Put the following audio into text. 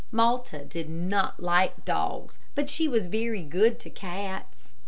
Malta did not like dogs, but she was very good to cats.